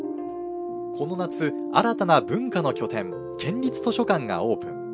この夏、新たな文化の拠点県立図書館がオープン。